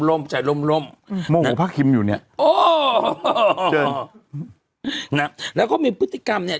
ลมใจลมโมงหัวพระคิมอยู่เนี่ยโอ้แล้วก็มีพฤติกรรมเนี่ย